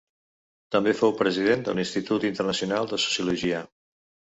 També fou president de l'Institut Internacional de Sociologia.